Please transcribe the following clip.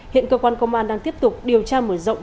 hiện cơ quan công an đang tiếp tục điều tra mở rộng